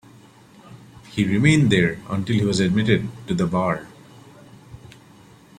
He remained there until he was admitted to the bar.